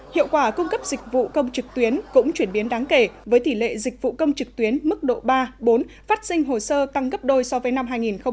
hiệu quả cung cấp dịch vụ công trực tuyến cũng chuyển biến đáng kể với tỷ lệ dịch vụ công trực tuyến mức độ ba bốn phát sinh hồ sơ tăng gấp đôi so với năm hai nghìn một mươi tám